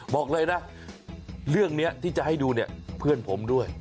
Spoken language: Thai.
บอกเลยนะเรื่องนี้ที่จะให้ดูเนี่ยเพื่อนผมด้วย